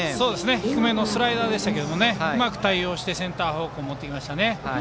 低めのスライダーでしたけどうまく対応してセンター方向に持っていきました。